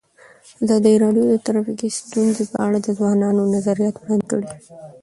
ازادي راډیو د ټرافیکي ستونزې په اړه د ځوانانو نظریات وړاندې کړي.